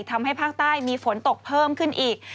ทำให้ภาคใต้มีฝนตกเพิ่มขึ้นอีก